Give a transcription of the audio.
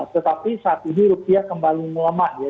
tetapi saat ini rupiah kembali melemah ya